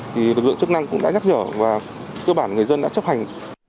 thì lực lượng chức năng cũng đã nhắc nhở và cơ bản người dân đã chấp hành